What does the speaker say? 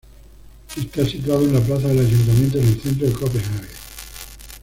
Está situado en la plaza del Ayuntamiento, en el centro de Copenhague.